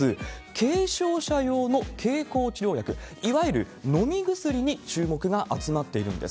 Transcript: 軽症者用の経口治療薬、いわゆる飲み薬に注目が集まっているんです。